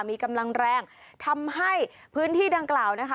มีกำลังแรงทำให้พื้นที่ดังกล่าวนะคะ